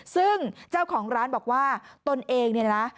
ซึ่งเจ้าของร้านบอกว่าตนเองเนี่ยนะ